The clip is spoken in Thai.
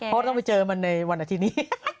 เพราะต้องไปเจอมันในวันอาทิตย์นี้